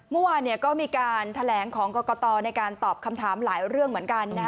เมื่อวานก็มีการแถลงของกรกตในการตอบคำถามหลายเรื่องเหมือนกัน